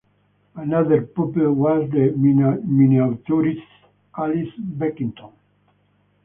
Another pupil was the miniaturist Alice Beckington.